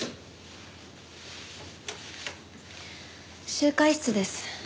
集会室です。